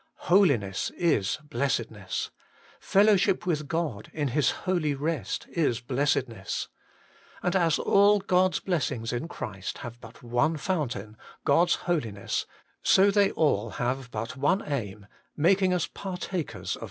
Holiness is blessedness. Fellowship with God in His holy rest is blessedness. And as all God's blessings in Christ have but one fountain, God's Holiness, so they all have but one aim, making us partakers of that Holiness.